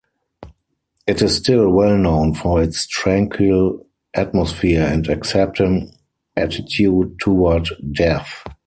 It is still well known for its tranquil atmosphere and accepting attitude toward death.